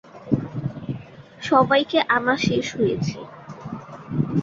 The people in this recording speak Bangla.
সবাইকে আনা শেষ হয়েছে?